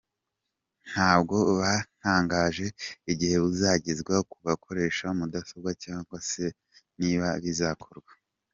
Ntabwo batangaje igihe buzagezwa ku bakoresha mudasobwa cyangwa se niba bizakorwa.